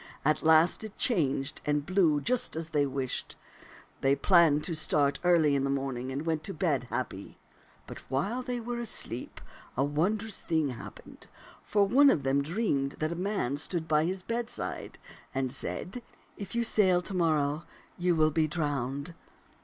At last it changed and blew just as they wished. They planned to start early in the morning, and went to bed happy. " But while they were asleep a wonderful thing happened, for one of them dreamed that a man stood by his bedside and said, * If you sail to morrow, you will be drowned.'